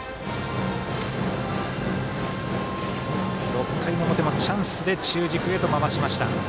６回の表もチャンスで中軸へと回しました。